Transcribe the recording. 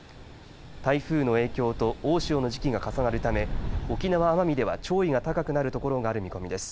台風の影響と大潮の時期が重なるため沖縄・奄美では潮位が高くなるところがある見込みです。